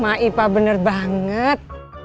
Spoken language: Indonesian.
ma ifah bener banget